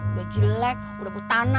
udah jelek udah putana